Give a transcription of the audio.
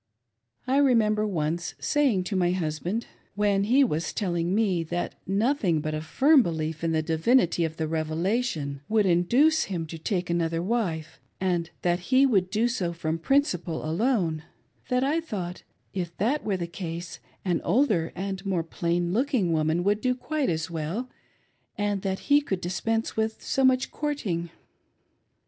I remember once saying to my husband, when he was telling me that nothing but a firm belief ' in the divinity of the Revelation would induce him to take another wife and that he would do so from principle alone, that I thought, if that were the case, an older and more plain looking woman would do quite as well, and that he could dis^ pense with so much courting.